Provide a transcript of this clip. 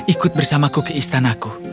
ikut bersamaku ke istanaku